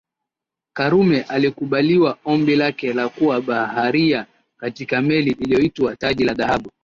Karume alikubaliwa ombi lake la kuwa baharia katika meli iliyoitwa Taji la Dhahabu